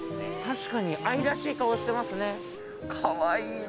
確かに愛らしい顔してますね・かわいいな